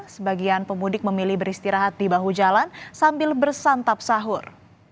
sebagian pemudik memilih beristirahat di bahu jalan sambil bersantap sahur